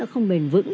không bền vững